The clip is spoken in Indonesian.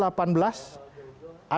nah bagaimana kelanjutan dari partai demokrat